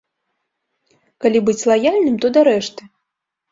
Калі быць лаяльным, то да рэшты.